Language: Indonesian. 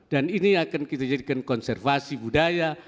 dan ini akan kita jadikan konservasi budaya